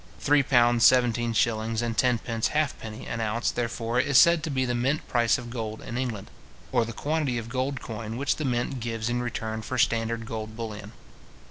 Three pounds seventeen shillings and tenpence halfpenny an ounce, therefore, is said to be the mint price of gold in England, or the quantity of gold coin which the mint gives in return for standard gold bullion.